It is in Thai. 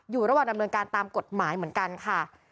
อยู่ระหว่างดำเนินการตามกฎหมายเหมือนกันค่ะ